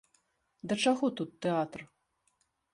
Да чаго тут тэатр?